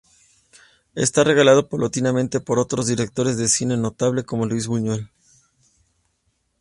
Era relegado paulatinamente por otros directores de cine notables como Luis Buñuel.